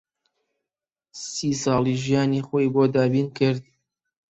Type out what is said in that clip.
سی ساڵی ژیانی خۆی بۆ دابین کرد